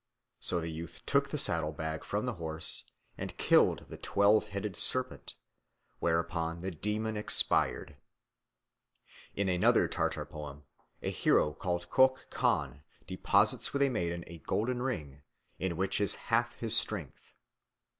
So the youth took the saddle bag from the horse and killed the twelve headed serpent, whereupon the demon expired. In another Tartar poem a hero called Kök Chan deposits with a maiden a golden ring, in which is half his strength.